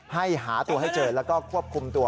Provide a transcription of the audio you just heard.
หาตัวให้เจอแล้วก็ควบคุมตัว